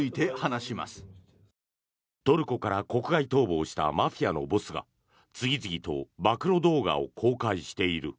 トルコから国外逃亡したマフィアのボスが次々と暴露動画を公開している。